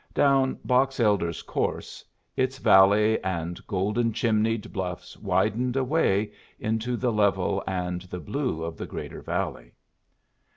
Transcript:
Down Box Elder's course, its valley and golden chimneyed bluffs widened away into the level and the blue of the greater valley.